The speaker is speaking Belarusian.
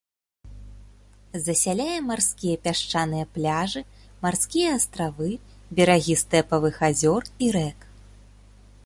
Засяляе марскія пясчаныя пляжы, марскія астравы, берагі стэпавых азёр і рэк.